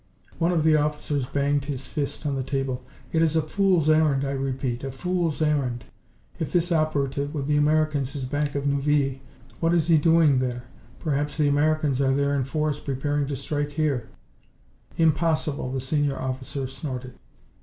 One of the officers banged his fist on the table. "It is a fool's errand, I repeat, a fool's errand! If this operative, with the Americans, is back of Neuvilly, what is he doing there? Perhaps the Americans are there in force, preparing to strike here." "Impossible!" the senior officer snorted.